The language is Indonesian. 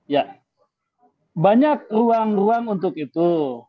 ya banyak ruang ruang untuk itu